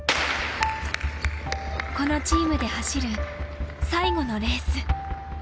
このチームで走る最後のレース。